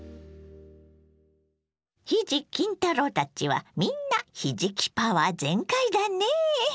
ひじ・きん太郎たちはみんなひじきパワー全開だねぇ。